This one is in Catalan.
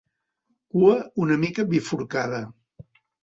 Cua una mica bifurcada.